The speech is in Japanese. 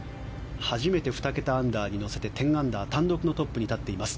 初めて２桁アンダーに乗せて１０アンダー、単独トップに立っています。